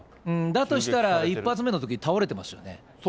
だとしたら、１発目のとき、倒れてますよね。